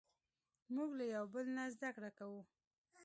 موږ له یو بل نه زدهکړه کوو.